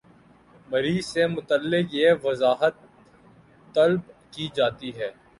مریض سے متعلق یہ وضاحت طلب کی جاتی ہے